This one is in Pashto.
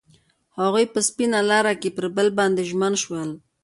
هغوی په سپین لاره کې پر بل باندې ژمن شول.